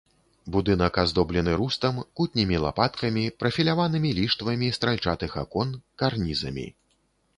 Будынак аздоблены рустам, кутнімі лапаткамі, прафіляванымі ліштвамі стральчатых акон, карнізамі.